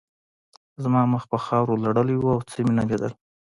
زما مخ په خاورو لړلی و او څه مې نه لیدل